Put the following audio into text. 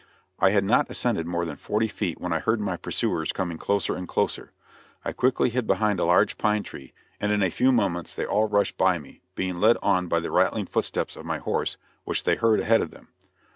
I had not ascended more than forty feet when I heard my pursuers coming closer and closer; I quickly hid behind a large pine tree, and in a few moments they all rushed by me, being led on by the rattling footsteps of my horse, which they heard ahead of them.